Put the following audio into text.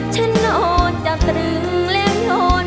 ฉันนอนจากตรึงและโยน